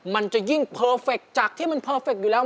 มันจะยิ่งเพอร์เฟคจากที่มันเพอร์เฟคอยู่แล้ว